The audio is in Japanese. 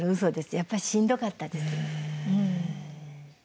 やっぱしんどかったです。